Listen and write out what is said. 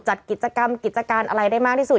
จัดกิจกรรมกิจการอะไรได้มากที่สุด